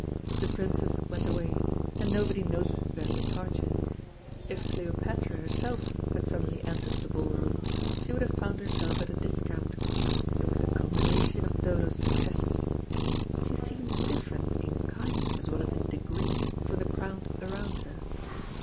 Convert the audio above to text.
The princes went away, and nobody noticed their departure. If Cleopatra herself had suddenly entered the ballroom, she would have found herself at a discount. It was the culmination of Dodo's successes. She seemed different in kind, as well as in degree, from the crowd around her.